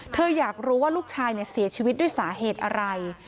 อยากรู้ว่าลูกชายเสียชีวิตด้วยสาเหตุอะไร